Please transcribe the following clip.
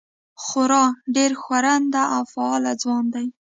خورا ډېر ښورنده او فعال ځوان دی.